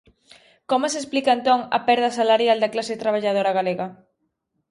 ¿Como se explica entón a perda salarial da clase traballadora galega?